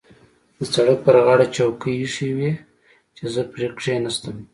د سړک پر غاړه چوکۍ اېښې وې چې زه پرې کېناستم.